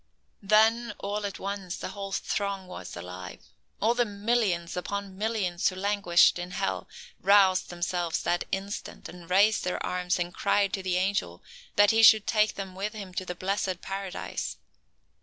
Then, all at once, the whole throng was alive. All the millions upon millions who languished in hell, roused themselves that instant, and raised their arms and cried to the angel that he should take them with him to the blessed Paradise.